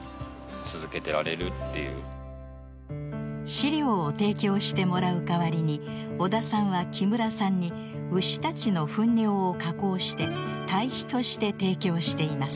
飼料を提供してもらう代わりに尾田さんは木村さんに牛たちの糞尿を加工して堆肥として提供しています。